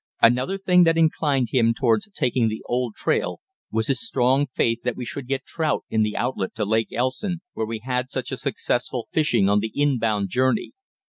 Another thing that inclined him towards taking the old trail was his strong faith that we should get trout in the outlet to Lake Elson, where we had such a successful fishing on the inbound journey.